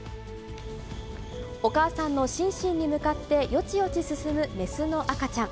お母さんのシンシンに向かって、よちよち進む雌の赤ちゃん。